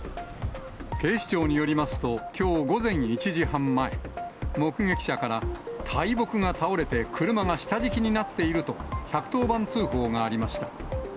警視庁によりますと、きょう午前１時半前、目撃者から、大木が倒れて車が下敷きになっていると、１１０番通報がありました。